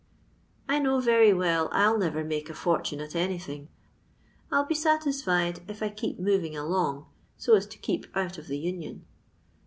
I know very well 111 never make a fi>rtune at anything; I'll be satisfied if I keep moving along, so m to ke^ out of the dnion."